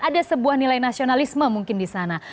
ada sebuah nilai nasionalisme mungkin di sana